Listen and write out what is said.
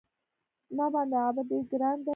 ما باندې عابد ډېر ګران دی